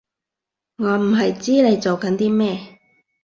我唔係唔知你做緊啲咩